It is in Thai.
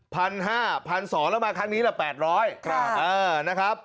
๑๕๐๐บาท๑๒๐๐บาทแล้วมาครั้งนี้ละ๘๐๐บาท